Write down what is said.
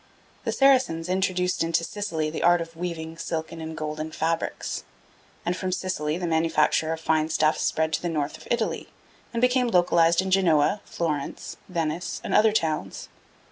The Saracens introduced into Sicily the art of weaving silken and golden fabrics; and from Sicily the manufacture of fine stuffs spread to the North of Italy, and became localised in Genoa, Florence, Venice, and other towns.